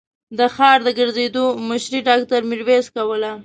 د ښار د ګرځېدو مشري ډاکټر ميرويس کوله.